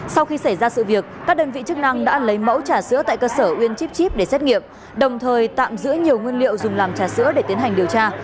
sau khi xảy ra sự việc các đơn vị chức năng đã lấy mẫu trả sữa tại cơ sở uyên chipchip để xét nghiệm đồng thời tạm giữ nhiều nguyên liệu dùng làm trà sữa để tiến hành điều tra